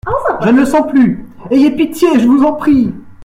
Je ne le sens plus … Ayez pitié, je vous en prie.